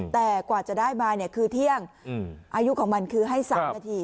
แต่กว่าจะได้มาเนี่ยคือเที่ยงอายุของมันคือให้๓นาที